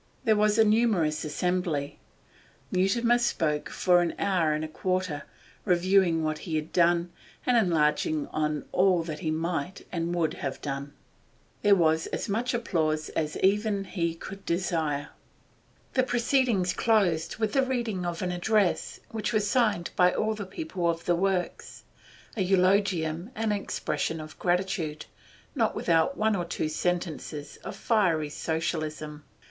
There was a numerous assembly. Mutimer spoke for an hour and a quarter, reviewing what he had done, and enlarging on all that he might and would have done. There was as much applause as even he could desire. The proceedings closed with the reading of an address which was signed by all the people of the works, a eulogium and an expression of gratitude, not without one or two sentences of fiery Socialism.